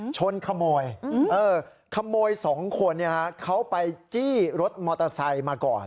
ชนขโมยเออขโมยสองคนเนี้ยฮะเขาไปจี้รถมอเตอร์ไซค์มาก่อน